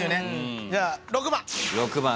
じゃあ６番。